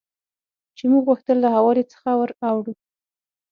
چې موږ غوښتل له هوارې څخه ور اوړو.